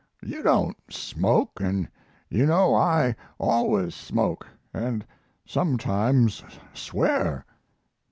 You don't smoke, and you know I always smoke, and sometimes swear."